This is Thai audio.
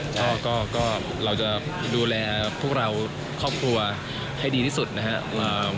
ก็เราจะดูแลพวกเราครอบครัวให้ดีที่สุดนะครับ